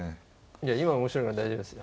いや今面白いから大丈夫ですよ。